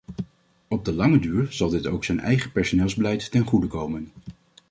Op de lange duur zal dit ook zijn eigen personeelsbeleid ten goede komen.